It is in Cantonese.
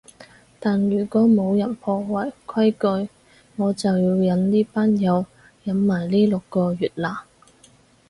但如果冇人破壞規矩，我就要忍呢班友忍埋呢六個月喇